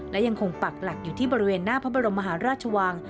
และยังคงปักหลักอยู่ที่บริเวณหน้าพระบรมมหาราชวัง